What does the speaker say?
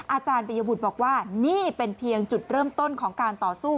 อาจารย์ปริยบุตรบอกว่านี่เป็นเพียงจุดเริ่มต้นของการต่อสู้